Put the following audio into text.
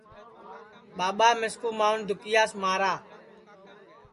ٻاٻا مِسکُو مانٚؤن دُکِیاس مارا